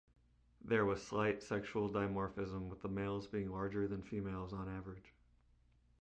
There was slight sexual dimorphism with the males being larger than females on average.